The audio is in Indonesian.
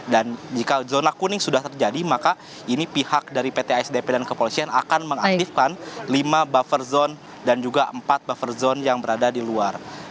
jika zona kuning sudah terjadi maka ini pihak dari pt asdp dan kepolisian akan mengaktifkan lima buffer zone dan juga empat buffer zone yang berada di luar